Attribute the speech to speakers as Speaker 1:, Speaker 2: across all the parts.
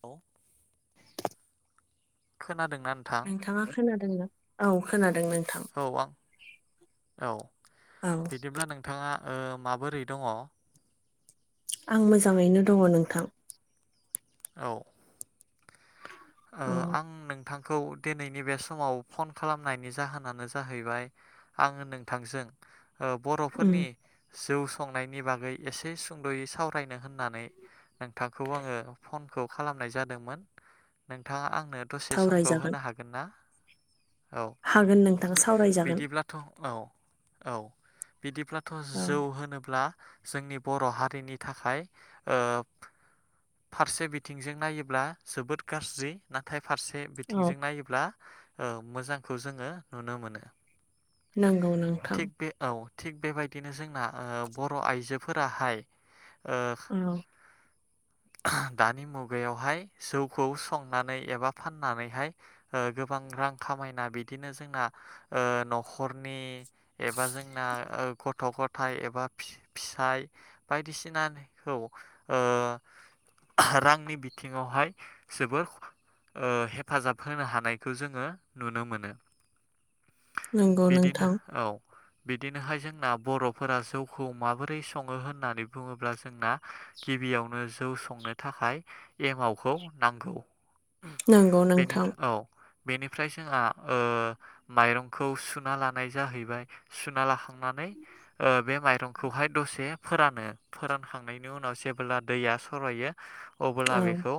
Speaker 1: औ। खोनादों।
Speaker 2: नोंथाङा खोनादोंना औ खोनादों नों
Speaker 1: औ आं औ
Speaker 2: औ
Speaker 1: बिदिब्ला नोंथाङा ओ माबोरै दङ?
Speaker 2: आं मोजाङैनो दङ नोंथां।
Speaker 1: औ। ओ
Speaker 2: औ
Speaker 1: आं नों नोंखौ दिनैनि बे समाव फन खालामनायनि जाहोनानो जाहैबाय आङो नोंथांजों
Speaker 2: उम
Speaker 1: बर'फोरनि जौ संनायनि बागै एसे सुंद'यै सावरायनो होननानै नोंथांखौ आङो फनखौ खालामनाय जादोंमोन नोंथाङा आंनो दसे समखौ
Speaker 2: सावरायजागोन
Speaker 1: होनो हागोन ना औ
Speaker 2: हागोन नोंथां सावरायजागोन
Speaker 1: बिदिब्लाथ' औ औ बिदिब्लाथ'
Speaker 2: औ
Speaker 1: जौ होनोब्ला जोंनि बर' हारिनि थाखाय फारसे बिथिंजों नायोब्ला जोबोद गाज्रि नाथाय फारसे
Speaker 2: औ
Speaker 1: बिथिंजों नायोब्ला ओ मोजांखौ जोङो नुनो मोनो
Speaker 2: नोंगौ नांथां
Speaker 1: थिग बे औ थिग बेबायदिनो जोंना बर' आइजोफोराहाय
Speaker 2: औ
Speaker 1: ह [unintelligible] दानि मुगायावहाय जौखौ संनानै एबा फाननानैहाय ओ गोबां रां खामायना बिदिनो जोंनाओ न'खरनि एबा जोंना ओ गथ'फोर गथाय एबा फि फिसाय बायदिसिनाखौ ओ रांनि बिथिङावहाय जोबोर ओ हेफाजाब होनो हानायखौ जोङो नुनो मोनो
Speaker 2: नंगौ
Speaker 1: बिदिनो
Speaker 2: नोंथां
Speaker 1: औ बिदिनोहाय जोंना बर'फोरा जौखौ माबोरै सङो होननानै बुङोब्ला जोंना गिबियावनो जौ संनो थाखाय एमावखौ नांगौ
Speaker 2: नंगौ नोंथां
Speaker 1: बेनिफ्राय औ बेनिफ्राय जोंहा ओ माइरंखौ सुना लानाय जाहैबाय सुना लाखांनानै ओ बे माइरंखौहाय दसे दसे फोरानो, फोरानखांनायनि उनाव जेबोब्ला दैया सरायो अबोब्ला
Speaker 2: औ
Speaker 1: बेखौ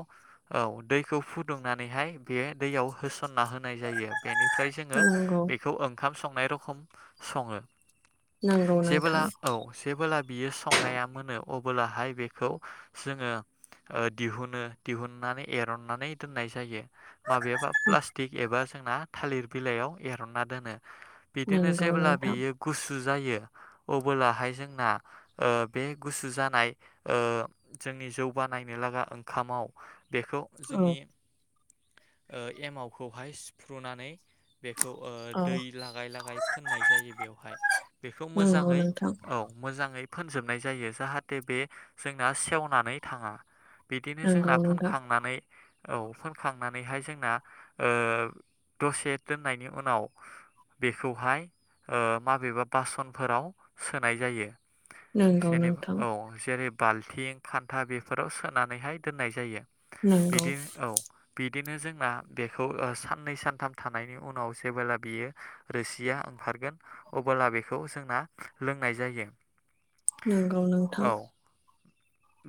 Speaker 1: औ दैखौ फुदुंनानैहाय बे दैआव होसनना होनाय जायो बेनिफ्राय जोङो
Speaker 2: नंगौ
Speaker 1: बेखौ ओंखाम संनाय बे रखम सङो।
Speaker 2: नंगौ
Speaker 1: जेबोला
Speaker 2: नोंथां
Speaker 1: औ जेबोला बियो संनाया मोनो अबोलाहाय बेखौ जोङो ओ दिहुनो दिहुननानै एरननानै दोननाय जायो माबायाबा प्लास्टिक एबा जोंना थालिर बिलाइयाव एरनना दोनो बिदिनो
Speaker 2: नंगौ
Speaker 1: जेब्ला
Speaker 2: नोंथां
Speaker 1: बियो गुसु गुसु जायो अबोलाहाय जोंना ओ बे गुसु जानाय जोंनि जौ बानायनो लागा ओंखामाव बेखौ
Speaker 2: औ
Speaker 1: जोंनि ओ एमावखौहाय सिफ्रुनानै बेखौ ओ
Speaker 2: औ
Speaker 1: दै लागाय लागाय फोननाय जायो बेवहाय, बेखौ
Speaker 2: नंगौ
Speaker 1: मोजाङै
Speaker 2: नोंथां
Speaker 1: औ मोजाङै फोनजोबनाय जायो जाहाथे बे जोंना सेवनानै थाङा बिदिनो
Speaker 2: नंगौ
Speaker 1: जोंना
Speaker 2: नोंथां
Speaker 1: फोनखांनानै औ फोनखांनानैहाय जोंना दसे ओ दोननायनि उनाव बेखौहाय ओ माबेबा बासनफोराव सोनाय जायो।
Speaker 2: नंगौ
Speaker 1: जेनेबा
Speaker 2: नोंथां
Speaker 1: औ सेरेब बाल्थिं खान्था बेफोराव सोनानैहाय दोननाय जायो
Speaker 2: नंगौ
Speaker 1: बिदिनो औ बिदि बिदिनो जोंना बेखौ ओ साननै सानथाम थाम नायनि उनाव जेबोला बियो रोसिया ओंखारगोन अबोला बेखौ जोंना लोंनाय जायो
Speaker 2: नंगौ नोंथां
Speaker 1: औ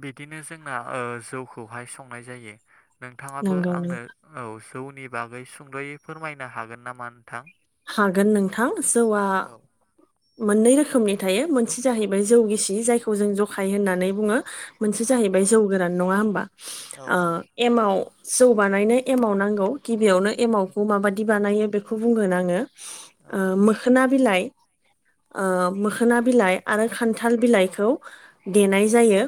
Speaker 1: बिदिनो जोंना ओ जौखौहाय संनाय जायो नोंथाङाबो
Speaker 2: नंगौ
Speaker 1: आंनो
Speaker 2: नोंथां
Speaker 1: औ जौनि बागै सुंद'यै फोरमायनो हागोन नामा नोंथां?
Speaker 2: हागोन नोंथां जौआ
Speaker 1: औ
Speaker 2: मोननै रोखोमनि थायो मोनसे जाहैबाय जौगिसि जायखौ जों जखाय होननानै बुङो। मोनसे
Speaker 1: औ
Speaker 2: जाहैबाय जौ गोरान। नङा होमबा?
Speaker 1: औ नंगौ
Speaker 2: एमाव जौ बानायनो एमाव नांगौ गिबियावनो एमावखौ माबादि बानायो बेखौ बुंगोन आङो ओ
Speaker 1: औ
Speaker 2: मोखोना बिलाइ ओ मोखोना बिलाइ आरो खान्थाल बिलाइखौ देनाय जायो।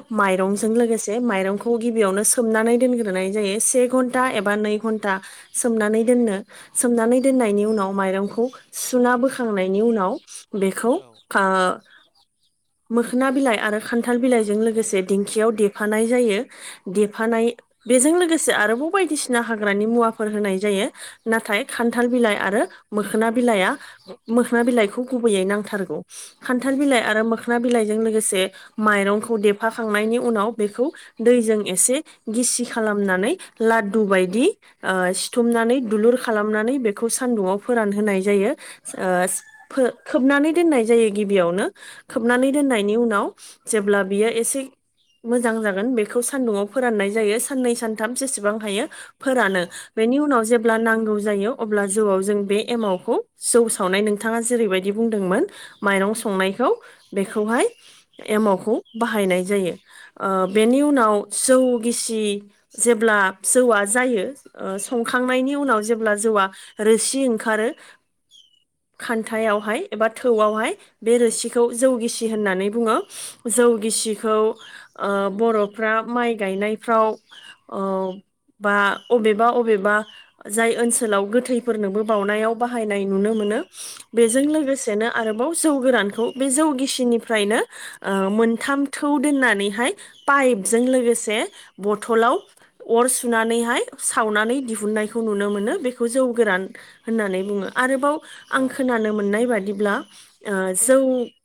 Speaker 1: औ
Speaker 2: माइरंजों लोगोसे माइरंखौ खौ गिबियावनो सोमनानै दोनग्रोनाय जायो से
Speaker 1: औ
Speaker 2: घन्टा एबा नै घन्टा सोमनानै दोननो सोमनानै दोननायनि उनाव माइरंखौ सुना बोखांनायनि उनाव बेखौ
Speaker 1: औ
Speaker 2: खा
Speaker 1: [inaudible]
Speaker 2: मोखोना बिलाइ आरो खान्थाल बिलाइजों लोगोसे दिंखियाव देफानाय जायो देफानाय बेजों लोगोसे आरोबाव बायदिसिना हाग्रानि मुवाफोर होनाय जायो नाथाय खान्थाल बिलाइ आरो मोखोना बिलाइआ, मोखोना बिलाइखौ गुबैयै नांथारगौ।
Speaker 1: औ
Speaker 2: खान्थाल बिलाइ
Speaker 1: नंगौ
Speaker 2: आरो मोखोन बिलाइजों लोगोसे बे माइरंखौ देफाखांनायनि उनाव बेखौ दैजों एसे गिसि खालामनानै लादु बायदि ओ सिथुमनानै दुलुर खालामनानै बेखौ सान्दुंआव फोरानहोय जायो ओ फो खोबनानै दोननाय जायो गिबियावनो
Speaker 1: औ
Speaker 2: खोबनानै दोननायनि उनाव जेब्ला बियो एसे मोजां जागोन बेखौ सान्दुंआव फोराननाय जायो साननै सानथाम जेसेबां हायो फोरानो
Speaker 1: औ
Speaker 2: बेनि उनाव जेब्ला नांगौ जायो अब्ला जौआव जों बे एमावखौ जौ सावनाय नोंथाङा जेरैबायदि बुंदोंमोन
Speaker 1: औ
Speaker 2: माइरं संनायखौ बे खौहाय एमावखौ बाहायनाय जायो ओ बेनि उनाव जौ गिसि जेब्ला जौवा जायो ओ संखांनायनि उनाव जेब्ला जौवा रोसि ओं आरो
Speaker 1: औ
Speaker 2: खान्थायावहाय एबा थौ वआवहाय बे रोसिखौ जौ गिसि होननानै बुङो। जौ गिसिखौ ओ बर'फ्रा माइ गायनायफ्राव बा अबेबा-अबेबा जाय ओनसोलाव गोथैफोरनोबो बनायाव बाहायनाय नुनो मोनो।
Speaker 1: औ
Speaker 2: बेजों
Speaker 1: नंगौ
Speaker 2: लोगोसेनो आरोबाव जौ गोरान खौ बे जौ गिसिनिफ्रायनो मोनथाम थौ दोननानैहाय पाइजों लो गोसे बथलाव अर सुनानैहाय सावनानै दिहुननायखौ नुनो मोनो। बेखौ जौ गोरान होननानै बुङो। आरोबाव आं
Speaker 1: औ
Speaker 2: खोनानो मोननाय बादि ब्ला जौ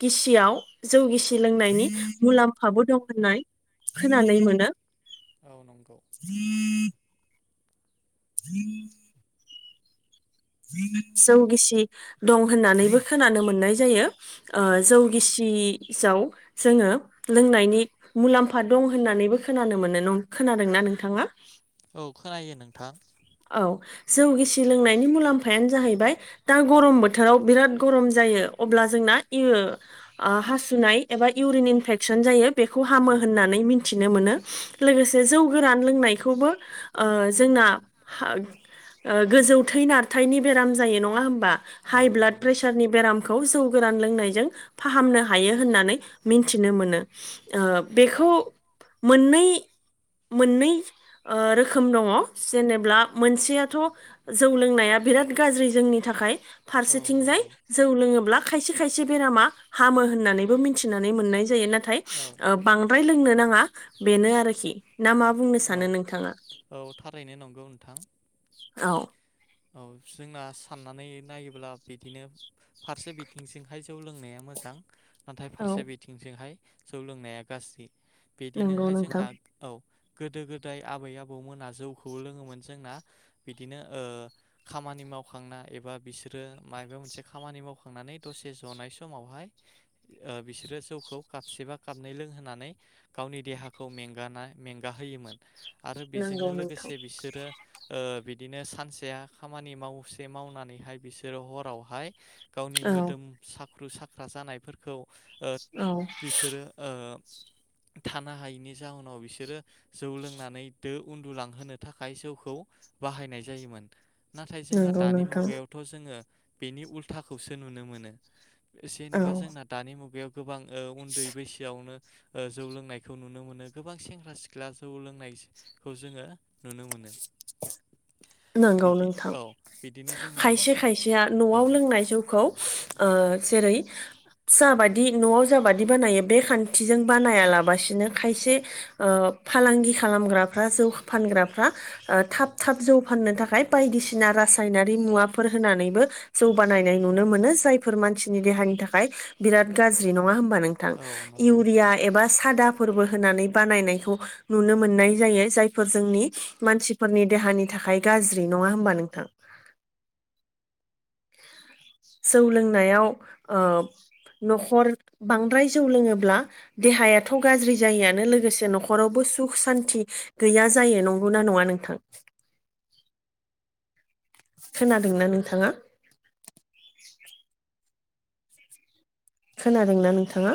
Speaker 2: गिसियाव जौ गिसि लोंनायनि मुलाम्फाबो दं होननाय खोनानो मोनो।
Speaker 1: औ नंगौ।
Speaker 2: [inaudible] जौगिसि दं होननानैबो खोनानो मोननाय जायो। ओ
Speaker 1: औ
Speaker 2: जौ गिसि जौ जोङो लोंनायनि मुलाम्फा दं होननानैबो खोनानो मोनो। खोनादोंना? नोंथाङा
Speaker 1: औ खोनायो नोंथां।
Speaker 2: औ, जौ गिसि लोंनायनि मुलाम्फायानो जाहैबाय दा गरम बोथोराव बिराद गरम जायो। अब्ला जोंना हासुनाय एबा इउरिन इनफेकसन जायो। बेखौ हामो
Speaker 1: औ
Speaker 2: होननानै मिथिनो मोनो। लोगोसे जौ गोरान लोंनायखौबो ओ जोंना ओ गोजौ थै नारथायनि बेराम जायो। नङा होमबा?
Speaker 1: औ
Speaker 2: हाइ ब्लाड
Speaker 1: नंगौ
Speaker 2: प्रेसारनि बेरामखौ जौ गोरान लोंनायजों फाहामनो हायो होननानै मिथिनो मोनो। बेखौ मोननै-मोननै रोखोम दङ। जेनेब्ला मोनसेयाथ' जौ लोंनाया बिराद गाज्रि जोंनि थाखाय।
Speaker 1: औ
Speaker 2: फारसेथिंजाय
Speaker 1: नंगौ
Speaker 2: जौ लोङोब्ला खायसे - खायसे बेरामा हामो होननानैबो मिथिनानै मोननाय जायो। नाथाय
Speaker 1: औ
Speaker 2: बांद्राय लोंनो नाङा। आङा बेनो आरोखि ना मा बुंनो सानो
Speaker 1: औ
Speaker 2: नोंथाङा?
Speaker 1: थारैनो औ नंगौ नोंथां।
Speaker 2: औ।
Speaker 1: औ जोंना सान्नानै नायोब्ला बिदिनो फारसे बिथिंजोंहाय जौ लोंनाया मोजां। नाथाय
Speaker 2: औ
Speaker 1: फारसे बिथिंजोंहाय जौ लोंनाया गाज्रि।
Speaker 2: नंगौ
Speaker 1: बिदिनोहाय
Speaker 2: नोंथां
Speaker 1: जोंना औ। गोदो गोदाय आबै आबौमोना जौखौ लोङोमोन जोंना बिदिनो ओ खामानि मावखांना एबा बिसोरो माबा मोनसे खामानि मावखांनानै दसे जनाय समाव हाय ओ बिसोरो जौखौ काबसे बा काबनै लोंहोनानै गावनि देहाखौ मेंगा ना मेंगा होयोमोन आरो
Speaker 2: नंगौ
Speaker 1: बेजोंनो
Speaker 2: नोंथां
Speaker 1: लोगोसे बिसोरो ओ बिदिनो सानसेया खामानि मावसे मावनानैहाय बिसोरो हरावहाय गावनि
Speaker 2: औ
Speaker 1: मोदोम सा ख्रु साख्रा जानायफोरखौ ओ
Speaker 2: औ
Speaker 1: बिसोरो ओ थानो हायैनि जाउनाव बिसोरो जौ लोंनानै दो उन्दुलांहोनो थाखाय जौखौ बाहायनाय जायोमोन। नाथाय जोंहा
Speaker 2: नंगौ
Speaker 1: दानि
Speaker 2: नोंथां
Speaker 1: मुगायावथ' जोङो बेनि उल्थाखौसो नुनो मोनो।
Speaker 2: औ
Speaker 1: जेनेबा जोंना दानि मुगायाव गोबां ओ उन्दै बैसोआवनो ओ जौ लोंनायखौ नुनो मोनो, गोबां सेंग्रा सिख्ला जौ लोंनाय खौ जोङो नुनो मोनो।
Speaker 2: नंगौ
Speaker 1: बिदि
Speaker 2: नों थां।
Speaker 1: औ बिदिनो जोंना
Speaker 2: खायसे
Speaker 1: ज-
Speaker 2: खायसेया
Speaker 1: औ
Speaker 2: न'आव लोंनाय जौखौ ओ जेरै
Speaker 1: ज [unintelligible]
Speaker 2: जाबादि न'आव जाबादि बानायो बे खान्थिजों बानायालाबसिनो खायसे ओ फालांगि खालामग्राफ्रा जौ फानग्राफ्रा ओ
Speaker 1: औ
Speaker 2: थाब थाब जौ फाननो थाखाय बायदिसिना रासायनारि मुवाफोर होनानैबो जौ बानायनाय नुनो मोनो जायफोर मानसिनि देहानि थाखाय बिराद गाज्रि नङा होनबा नोंथां?
Speaker 1: औ नंगौ
Speaker 2: इउरिया
Speaker 1: नोंथां
Speaker 2: एबा सादा फोरबो होनानै बानायनायखौ नुनो मोननाय जायो जायफोर जोंनि मानसिफोरनि देहानि थाखाय गाज्रि नङा होनबा नोंथां।
Speaker 1: [inaudible]
Speaker 2: जौ लोंनायाव ओ न'खर बांद्राय जौ लोङोब्ला देहायाथ' गाज्रि जायोआनो लोगोसे न'खरावबो सुख सान्थि गैया जायो नंगौना नङा नोंथां?
Speaker 1: [inaudible]
Speaker 2: खोनादोंना नोंथाङा? खोनादोंना नोंथाङा?